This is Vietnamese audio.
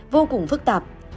vô cùng phức tạp